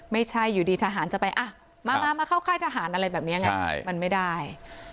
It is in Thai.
ไม่ใช่อยู่ดีทหารจะไปมาเข้าค่ายทหารอะไรแบบนี้ไงมันไม่ได้